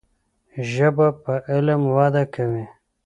ژبه په علم وده کوي.